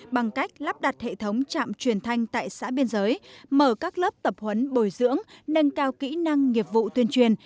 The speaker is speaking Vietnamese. bằng cách lắp đặt hệ thống trạm truyền thanh tại xã biên giới mở các lớp tập huấn bồi dưỡng nâng cao kỹ năng nghiệp vụ tuyên truyền